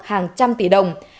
hàng trăm tỷ đồng